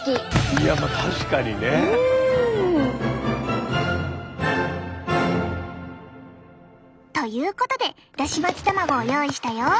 いや確かにね。ということでだし巻き卵を用意したよ。